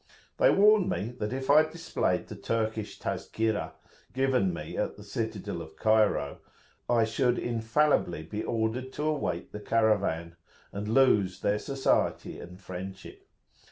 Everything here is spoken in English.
They warned me that if I displayed the Turkish Tazkirah given me at the citadel of Cairo, I should infallibly be ordered to await the caravan, and lose their society and friendship.